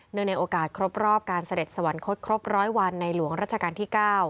เนื่องในโอกาสครบรอบการเสด็จสวรรค์คดครบร้อยวันในหลวงราชการที่๙